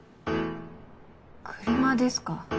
車ですか？